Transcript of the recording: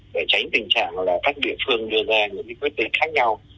để tránh tình trạng là các địa phương đưa ra những cái quyết định khác nhau